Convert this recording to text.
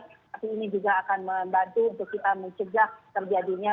tapi ini juga akan membantu untuk kita mencegah terjadinya